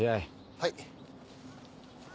はい。